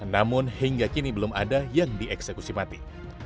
namun hingga kini belum ada yang dieksekusi mati